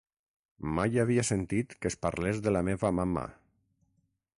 Mai havia sentit que es parlés de la meva mama.